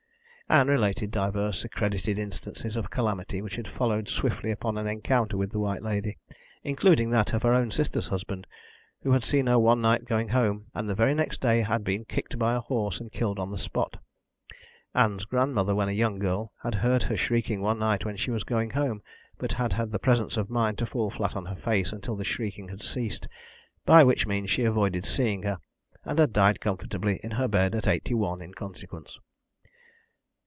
Ann related divers accredited instances of calamity which had followed swiftly upon an encounter with the White Lady, including that of her own sister's husband, who had seen her one night going home, and the very next day had been kicked by a horse and killed on the spot. Ann's grandmother, when a young girl, had heard her shrieking one night when she was going home, but had had the presence of mind to fall flat on her face until the shrieking had ceased, by which means she avoided seeing her, and had died comfortably in her bed at eighty one in consequence.